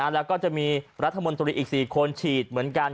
แล้วก็จะมีรัฐมนตรีอีก๔คนฉีดเหมือนกัน